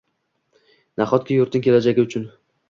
Nahotki yurtning kelajagi uchun